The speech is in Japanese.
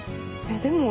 でも。